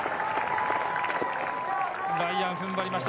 ライアン、踏ん張りました。